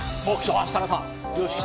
設楽さん。